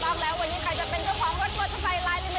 อยำไม่ได้นะ